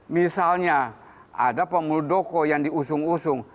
misalnya ada pak muldoko yang diusung usung